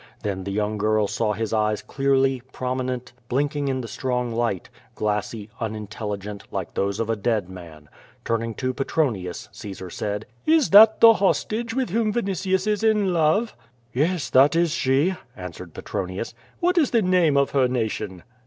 Then the young girl saw his eyes clearly, prominent, blinking in the strong light, glassy, unintelligent, like tho«K3 of a dead man. Turning to Petronius, Caesar said: ^'Is that the hostage with whom Vinitius is in love?'' *^e&, that is she,'' answered Petronius. ''What is the name of her nation?"